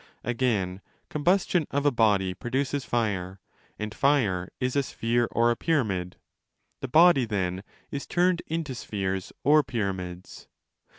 Again, 25 combustion of a body produces fire, and fire is a sphere or a pyramid. The body, then, is turned into spheres or pyramids.